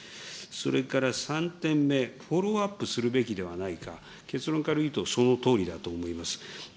それから３点目、フォローアップするべきではないか、結論から言うとそのとおりだと思います。